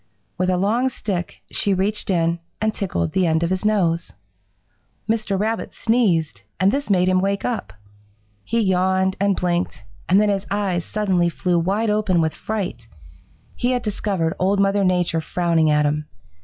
With a long stick she reached in and tickled the end of his nose. "Mr. Rabbit sneezed, and this made him wake up. He yawned and blinked, and then his eyes suddenly flew wide open with fright. He had discovered Old Mother Nature frowning at him.